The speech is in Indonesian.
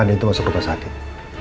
andien itu masuk rumah sadik